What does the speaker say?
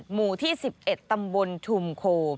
หมู่ที่๑๑ตำบลชุมโค